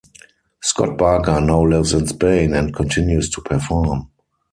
Scott Barker now lives in Spain and continues to perform.